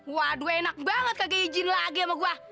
waduh enak banget kagak izin lagi sama gue